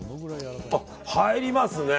入りますね。